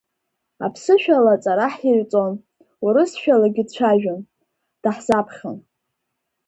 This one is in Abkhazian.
Аԥсышәала аҵара ҳирҵон, урысшәалагьы дцәажәон, даҳзаԥхьон.